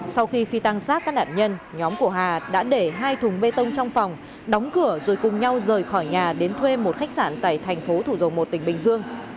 sau khi phi tăng sát các nạn nhân nhóm của hà đã để hai thùng bê tông trong phòng đóng cửa rồi cùng nhau rời khỏi nhà đến thuê một khách sạn tại thành phố thủ dầu một tỉnh bình dương